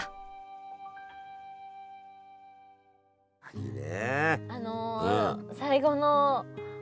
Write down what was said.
いいね。